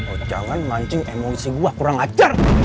oh jangan mancing emosi gue kurang ajar